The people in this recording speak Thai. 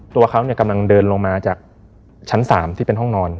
ตัวเขากำลังเดินลงมาจากชั้น๓ที่เป็นห้องนอน